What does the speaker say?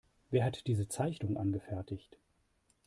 Wer hat diese Zeichnung angefertigt?